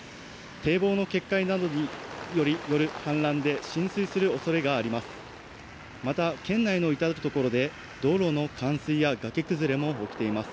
堤防の決壊などによる氾濫で浸水する恐れがあります。